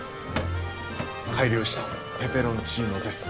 改良したペペロンチーノです。